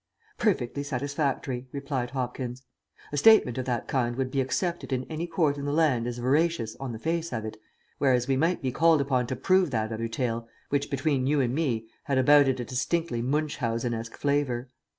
"Perfectly satisfactory," replied Hopkins. "A statement of that kind would be accepted in any court in the land as veracious on the face of it, whereas we might be called upon to prove that other tale, which between you and me had about it a distinctly Munchausenesque flavour."